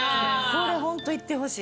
これホント行ってほしい。